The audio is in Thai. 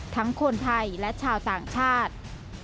คนไทยและชาวต่างชาติ